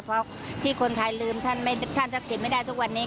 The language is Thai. เพราะที่คนไทยลืมท่านทักษิณไม่ได้ทุกวันนี้